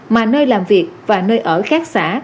mà nơi làm việc và nơi ở khác xã